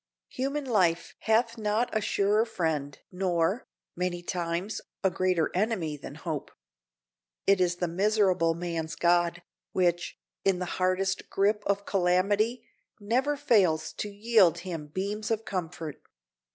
Human life hath not a surer friend nor, many times, a greater enemy than hope. It is the miserable man's god, which, in the hardest grip of calamity, never fails to yield him beams of comfort.